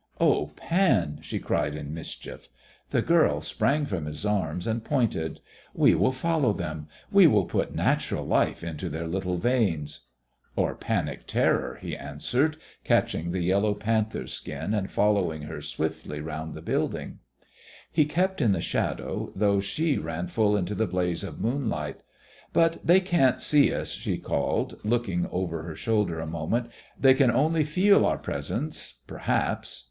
"Oh, Pan!" she cried in mischief. The girl sprang from his arms and pointed. "We will follow them. We will put natural life into their little veins!" "Or panic terror," he answered, catching the yellow panther skin and following her swiftly round the building. He kept in the shadow, though she ran full into the blaze of moonlight. "But they can't see us," she called, looking over her shoulder a moment. "They can only feel our presence, perhaps."